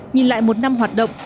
nhìn lại một năm hoạt động